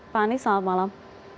pak anies selamat malam